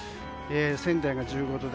仙台が１５度。